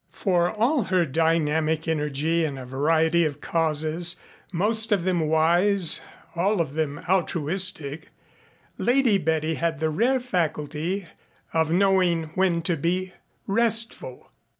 For all her dynamic energy in a variety of causes, most of them wise, all of them altruistic, Lady Betty had the rare faculty of knowing when to be restful.